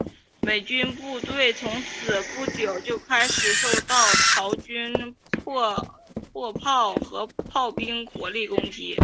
美军步兵此后不久就开始受到朝军迫炮和炮兵火力攻击。